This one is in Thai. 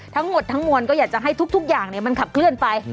ทั้งหมดทั้งมวลก็อยากจะให้ทุกอย่างมันขับเคลื่อนไป